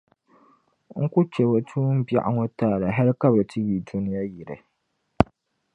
N ku chɛ bɛ tuumbiɛɣu ŋɔ taali hal ka bɛ ti yi dunia yili.